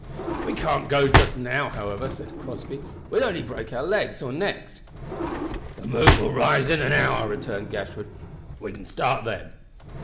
"We can't go just now, however," said Crossby, "we'd only break our legs or necks." "The moon will rise in an hour," returned Gashford; "we can start then."